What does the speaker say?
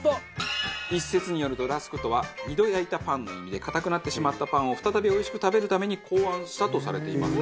一説によるとラスクとは「２度焼いたパン」の意味で硬くなってしまったパンを再びおいしく食べるために考案したとされています。